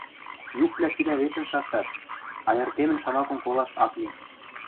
Юквлӓ цилӓ вецӹн шактат, айыртемӹн шамакым колаш ак ли.